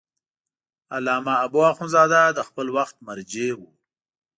علامه حبو اخند زاده د خپل وخت مرجع و.